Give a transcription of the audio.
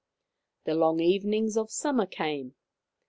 The long evenings of summer came.